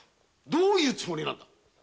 どういうつもりなんだ。